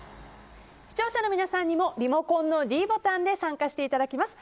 視聴者の皆さんにもリモコンのｄボタンで参加していただけます。